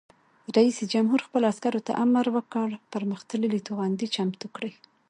رئیس جمهور خپلو عسکرو ته امر وکړ؛ پرمختللي توغندي چمتو کړئ!